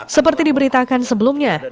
seperti diberitakan sebelumnya